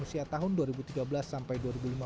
usia tahun dua ribu tiga belas sampai dua ribu lima belas